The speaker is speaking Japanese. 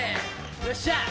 よっしゃ！